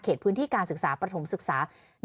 พื้นที่การศึกษาประถมศึกษา